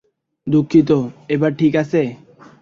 দুঃখিত, এবার ঠিক আছে?